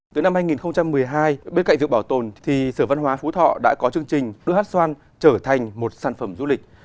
từ năm hai nghìn một mươi hai bên cạnh việc bảo tồn thì sở văn hóa phú thọ đã có chương trình đưa hát xoan trở thành một sản phẩm du lịch